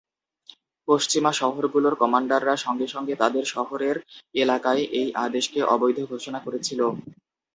পশ্চিমা শহরগুলোর কমান্ডাররা সঙ্গে সঙ্গে তাদের শহরের এলাকায় এই আদেশকে অবৈধ ঘোষণা করেছিল।